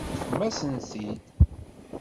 Teṭṭfem-asent-t-id.